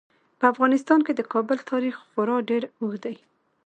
په افغانستان کې د کابل تاریخ خورا ډیر اوږد دی.